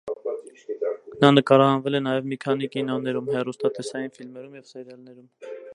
Նա նկարահանվել է նաև մի քանի կինոներում, հեռուստատեսային ֆիլմերում և սերալներում։